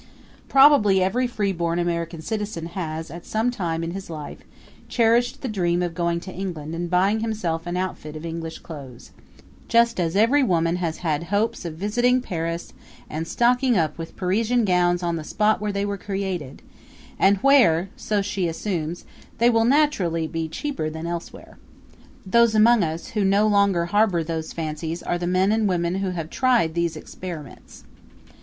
Probably every freeborn American citizen has at some time in his life cherished the dream of going to England and buying himself an outfit of English clothes just as every woman has had hopes of visiting Paris and stocking up with Parisian gowns on the spot where they were created, and where so she assumes they will naturally be cheaper than elsewhere. Those among us who no longer harbor these fancies are the men and women who have tried these experiments.